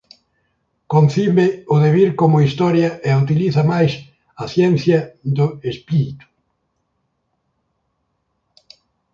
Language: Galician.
Concibe o devir como historia e utiliza máis a ciencia do espírito.